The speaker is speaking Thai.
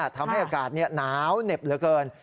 ทำให้อากาศหนาวเหน็บเหลือเกิน